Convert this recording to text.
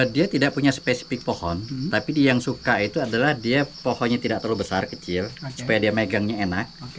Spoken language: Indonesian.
dia tidak punya spesifik pohon tapi dia yang suka itu adalah dia pohonnya tidak terlalu besar kecil supaya dia megangnya enak